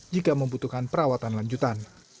jika membutuhkan perawatan lanjutan